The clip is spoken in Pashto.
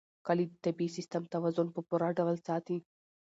کلي د طبعي سیسټم توازن په پوره ډول ساتي.